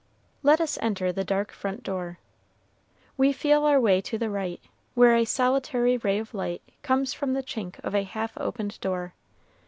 Let us enter the dark front door. We feel our way to the right, where a solitary ray of light comes from the chink of a half opened door.